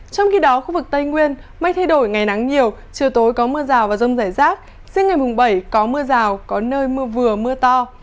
trong khi đó khu vực tây nguyên mây thay đổi ngày nắng nhiều chiều tối có mưa rào và rông rải rác riêng ngày mùng bảy có mưa rào có nơi mưa vừa mưa to